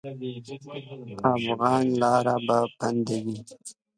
د افغان لاره به بندوي.